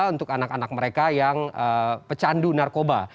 untuk anak anak mereka yang pecandu narkoba